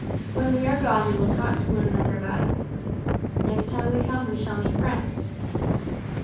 When we are gone they will talk to one another about us. Next time we come we shall meet friends."